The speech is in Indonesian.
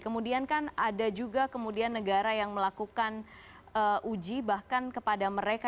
kemudian kan ada juga kemudian negara yang melakukan uji bahkan kepada mereka